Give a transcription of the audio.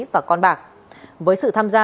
và con bạc với sự tham gia